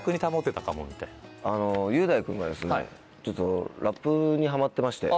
雄大君がですねちょっとラップにハマってまして。